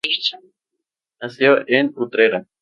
Nació en Utrera.